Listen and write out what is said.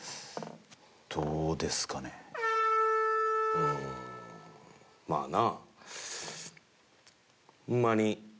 うんまあな。